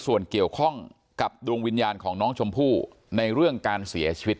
ส่วนเกี่ยวข้องกับดวงวิญญาณของน้องชมพู่ในเรื่องการเสียชีวิต